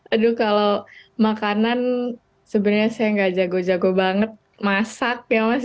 aduh kalau makanan sebenarnya saya gak jago jago banget masak ya mas